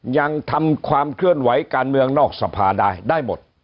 ยังทำความเคลื่อนไหวการเมืองนอกสภาได้ได้หมด